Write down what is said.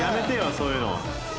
そういうの。